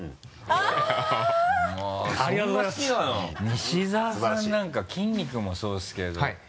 西澤さんなんか筋肉もそうですけど。